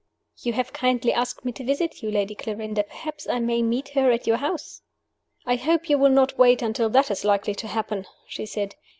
"You have kindly asked me to visit you, Lady Clarinda. Perhaps I may meet her at your house?" "I hope you will not wait until that is likely to happen," she said.